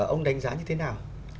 ông đánh giá như thế nào